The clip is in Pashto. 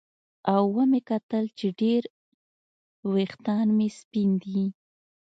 او ومې کتل چې ډېر ویښتان مې سپین دي